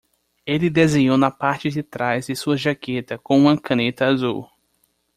Ele desenhou na parte de trás de sua jaqueta com uma caneta azul.